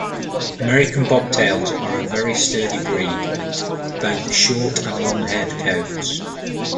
American Bobtails are a very sturdy breed, with both short- and long-haired coats.